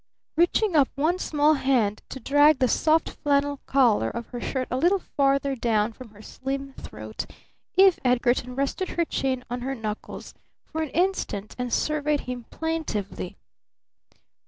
Reaching up one small hand to drag the soft flannel collar of her shirt a little farther down from her slim throat, Eve Edgarton rested her chin on her knuckles for an instant and surveyed him plaintively.